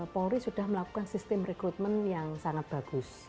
polri sudah melakukan sistem rekrutmen yang sangat bagus